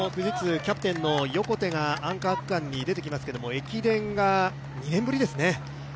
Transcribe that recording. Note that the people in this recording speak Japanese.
キャプテンの横手がアンカー区間に出てきますけれども、駅伝が２年ぶりですね。